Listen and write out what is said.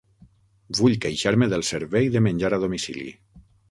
Vull queixar-me del servei de menjar a domicili.